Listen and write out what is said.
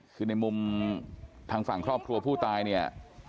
คือในมุมทางฝั่งครอบครัวผู้ตายเนี่ย